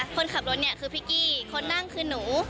คนขับรถเนี่ยคือพี่กี้คนนั่งคือหนู